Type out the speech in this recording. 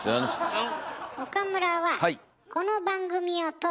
はい。